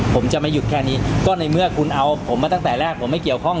ผมจะไม่หยุดแค่นี้ก็ในเมื่อคุณเอาผมมาตั้งแต่แรกผมไม่เกี่ยวข้อง